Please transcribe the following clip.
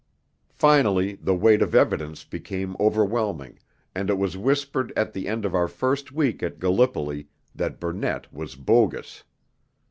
Finally, the weight of evidence became overwhelming, and it was whispered at the end of our first week at Gallipoli that 'Burnett was bogus.'